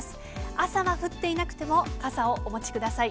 朝は降っていなくても、傘をお持ちください。